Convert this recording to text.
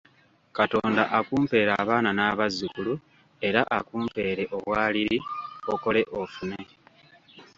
Katonda akumpeere abaana n'abazzukulu era akumpeere obwaliri, okole ofune.